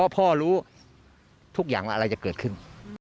พ่อรู้ทุกอย่างว่าอะไรจะเกิดขึ้น